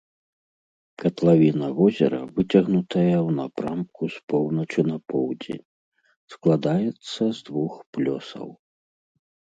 Катлавіна возера выцягнутая ў напрамку з поўначы на поўдзень, складаецца з двух плёсаў.